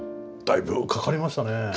だいぶかかりましたね。